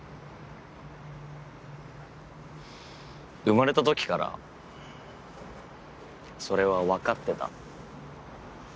生まれた時からそれは分かってた。